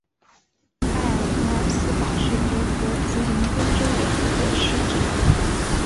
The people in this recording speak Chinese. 埃尔格尔斯堡是德国图林根州的一个市镇。